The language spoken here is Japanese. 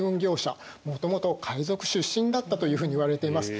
もともと海賊出身だったというふうにいわれています。